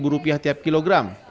rp dua puluh sembilan tiap kilogram